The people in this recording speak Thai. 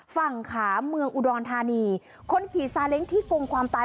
ฝั่งขาเมืองอุดรธานีคนขี่ซาเล้งที่กงความตาย